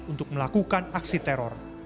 untuk melakukan aksi teror